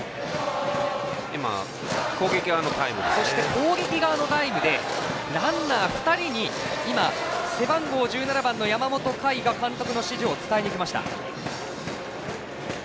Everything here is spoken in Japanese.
攻撃側のタイムでランナー２人に背番号１７番の山本海が監督の指示を伝えに行きました。